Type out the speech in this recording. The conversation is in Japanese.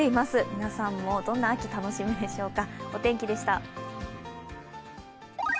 皆さんも、どんな秋、楽しみでしょうか。